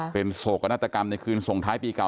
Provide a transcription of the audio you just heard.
เป็นโศกนาฏกรรมในคืนส่งท้ายปีเก่า